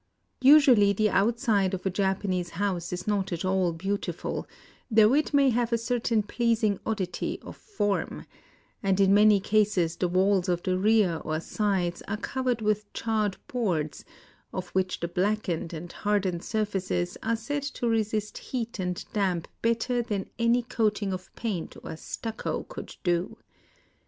Usually the outside of a Japanese house is not at all beautiful, though it may have a cer tain pleasing oddity of form ; and in many cases the walls of the rear or sides are covered with charred boards, of which the blackened and hardened surfaces are said to resist heat and damp better than any coating of paint or stucco could do.